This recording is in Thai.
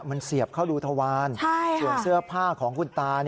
มันเสียบเข้ารูทวารส่วนเสื้อผ้าของคุณตา